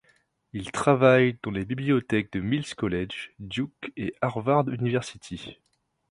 Il travaille dans les bibliothèques de Mills College, Duke et Harvard University.